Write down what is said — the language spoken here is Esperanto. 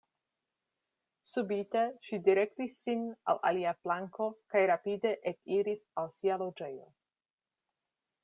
Subite ŝi direktis sin al alia flanko kaj rapide ekiris al sia loĝejo.